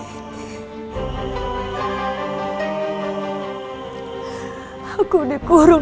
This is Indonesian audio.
tak ada cops